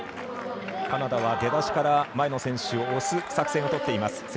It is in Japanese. カナダは出だしから前の選手を押す作戦をとっています。